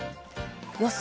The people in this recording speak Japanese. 予想